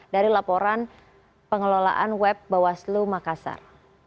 dari laporan pengelolaan web bawaslu makassar